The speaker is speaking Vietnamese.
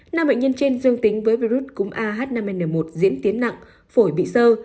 năm bệnh nhân trên dương tính với virus cúm ah năm n một diễn tiến nặng phổi bị sơ